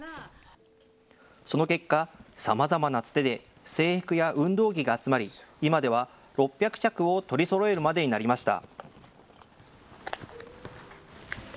その結果、さまざまなつてで制服や運動着が集まり今では６００着を取りそろえるまでになりました。